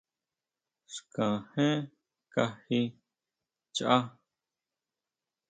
Xkajén kají chjaá.